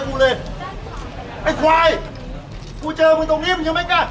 กูเลยไอ้ควายกูเจอมึงตรงนี้มึงยังไม่กล้า